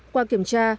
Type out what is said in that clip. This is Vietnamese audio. qua kiểm tra